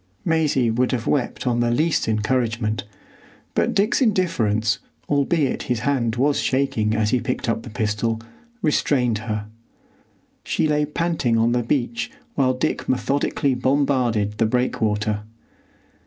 Maisie would have wept on the least encouragement, but Dick's indifference, albeit his hand was shaking as he picked up the pistol, restrained her. She lay panting on the beach while Dick methodically bombarded the breakwater.